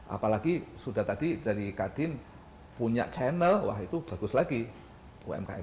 apalagi sudah tadi dari kadin punya channel wah itu bagus lagi umkm